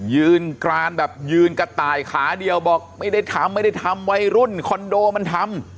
ยืนกรานแบบยืนกระต่ายขาเดียวบอกไม่ได้ทำไม่ได้ทำวัยรุ่นคอนโดมันทำ